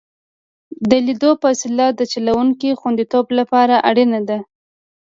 د لید فاصله د چلوونکي د خوندیتوب لپاره اړینه ده